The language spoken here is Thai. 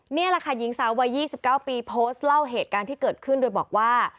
นี่แหละค่ะหญิงสาววัย๒๙ปีโพสต์เล่าเหตุการณ์ที่เกิดขึ้นโดยบอกว่า